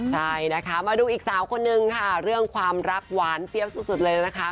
ใช่นะคะมาดูอีกสาวคนนึงค่ะเรื่องความรักหวานเจี๊ยบสุดเลยนะคะ